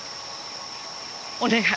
お願い。